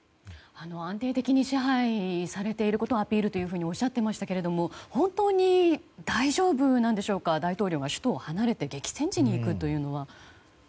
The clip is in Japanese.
安定的に支配されていることをアピールというふうにおっしゃっていましたけど本当に大丈夫なんでしょうか大統領が首都を離れて激戦地に行くというのは。